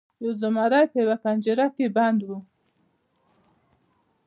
یو زمری په یوه پنجره کې بند و.